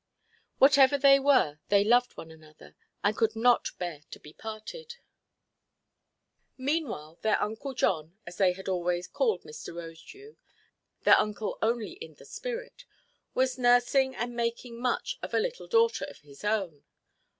Whatever they were, they loved one another, and could not bear to be parted. Meanwhile, their "Uncle John" as they always called Mr. Rosedew—their uncle only in the spirit—was nursing and making much of a little daughter of his own.